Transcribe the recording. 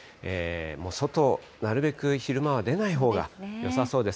もう外、なるべく昼間は出ないほうがよさそうです。